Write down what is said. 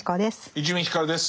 伊集院光です。